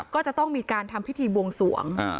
ก็จะต้องมีการทำพิธีบวงสวง